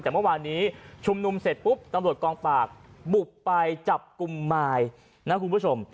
แต่เมื่อวานนี้ชุมนุมเสร็จปุ๊บตำรวจกองปากบุกไปจับกลุ่มมายนะคุณผู้ชม